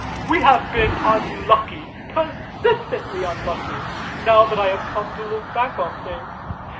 We have been unlucky; persistently unlucky, now that I come to look back on things.